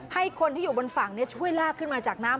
ให้คนที่อยู่บนฝั่งช่วยลากขึ้นมาจากน้ำ